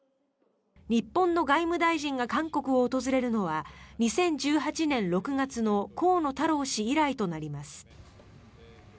日本の外務大臣が韓国を訪れるのは２０１８年６月の河野太郎氏以来となります。